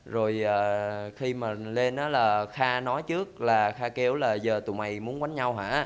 rồi khi mà lên đó là kha nói trước là kha kêu là giờ tụi mày muốn đánh nhau hả